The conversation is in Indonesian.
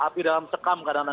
api dalam sekam kadang kadang